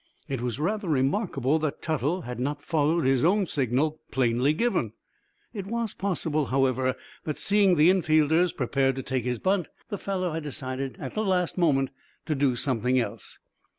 It was rather remarkable that Tuttle had not followed his own signal, plainly given. It was possible, however, that, seeing the infielders prepared to take his bunt, the fellow had decided at the last moment to do something else.